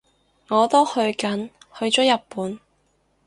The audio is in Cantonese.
我都去緊，去咗日本